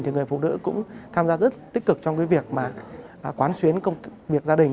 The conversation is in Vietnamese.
thì người phụ nữ cũng tham gia rất tích cực trong cái việc mà quán xuyến công việc gia đình